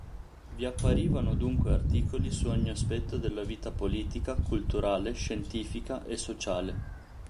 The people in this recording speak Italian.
Vi apparivano dunque articoli su ogni aspetto della vita politica, culturale, scientifica e sociale.